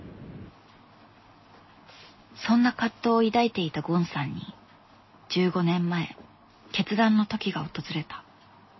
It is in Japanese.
そんな葛藤を抱いていたゴンさんに１５年前決断の時が訪れた。